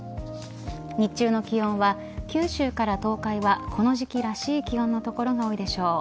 日中の気温は九州から東海はこの時期らしい気温の所が多いでしょう。